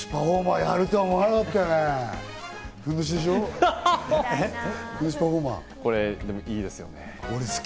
ふんどしパフォーマンスやるとは思わなかったよね。